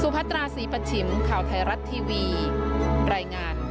โปรดติดตามตอนต่อไป